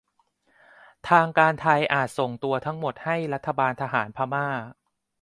ทางการไทยอาจส่งตัวทั้งหมดให้รัฐบาลทหารพม่า